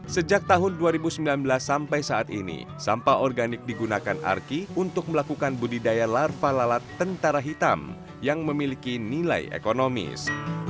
sejak tahun dua ribu sembilan belas sampai saat ini sampah organik digunakan arki untuk melakukan budidaya larva lalat tentara hitam yang memiliki nilai ekonomis